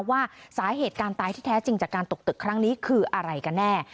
ว่าสาเหตุการตายที่แท้จริงจากการตกตึกครั้งนี้คืออะไรกันแน่